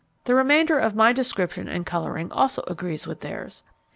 The remainder of my description and colouring also agrees with theirs.